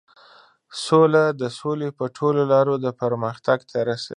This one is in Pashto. سوله د سولې په ټولو لارو د پرمختګ ته رسوي.